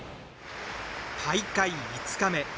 大会５日目。